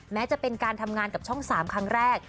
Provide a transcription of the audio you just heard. แม้จะเป็นการทำงานกับช่อง๓ครั้งแรก